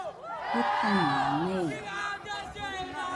Jetañeno, meirede.